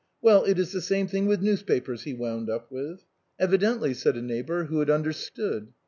Well, it is the same thing with the news papers," he wound up with. " Evidently," said a neighbor who had understood.